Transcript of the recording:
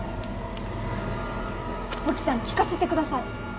沖さん聞かせてください。